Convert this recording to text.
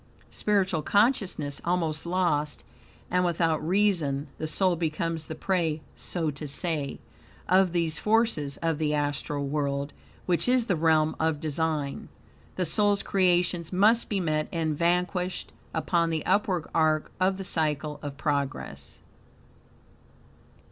Spiritual consciousness almost lost, and without reason, the soul becomes the prey, so to say, of these forces of the astral world, which is the realm of design. The soul's creations must be met and vanquished upon the upward arc of the Cycle of Progress.